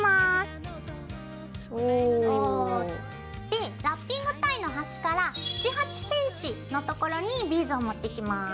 でラッピングタイの端から７８ｃｍの所にビーズを持ってきます。